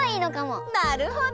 なるほど。